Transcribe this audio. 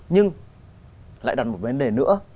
nhưng lại đặt một vấn đề nữa